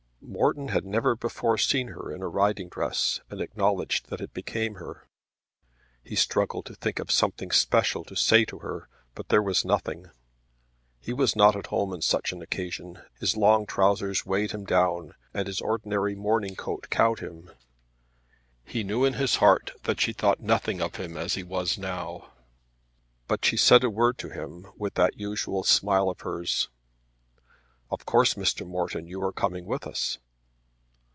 Morton had never before seen her in a riding dress and acknowledged that it became her. He struggled to think of something special to say to her, but there was nothing. He was not at home on such an occasion. His long trowsers weighed him down, and his ordinary morning coat cowed him. He knew in his heart that she thought nothing of him as he was now. But she said a word to him, with that usual smile of hers. "Of course, Mr. Morton, you are coming with us."